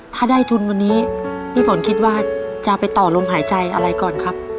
ถ้าได้ทุนวันนี้พี่ฝนคิดว่าจะไปต่อลมหายใจอะไรก่อนครับ